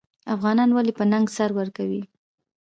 افغانان ولې په ننګ سر ورکوي؟